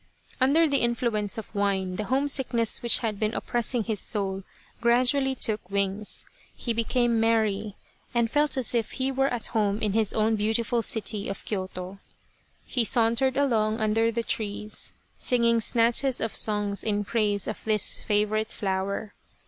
Under the influence of wine, the homesickness which had been oppressing his soul gradually took wings ; he became merry, and felt as if he were at home in his own beautiful city of Kyoto. He sauntered along under the trees, singing snatches of songs in praise of this favourite flower.